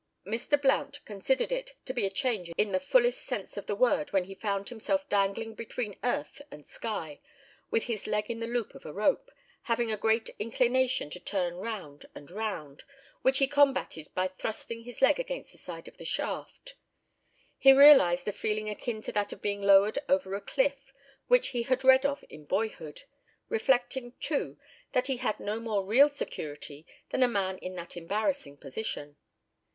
Mr. Blount considered it to be a change in the fullest sense of the word when he found himself dangling between earth and sky, with his leg in the loop of a rope, having a great inclination to turn round and round, which he combated by thrusting his leg against the side of the shaft. He realised a feeling akin to that of being lowered over a cliff, which he had read of in boyhood, reflecting, too, that he had no more real security than a man in that embarrassing position.